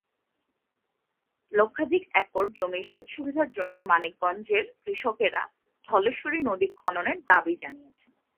লক্ষাধিক একর জমির সেচ-সুবিধার জন্য মানিকগঞ্জের কৃষকেরা ধলেশ্বরী নদী খননের দাবি জানিয়েছেন।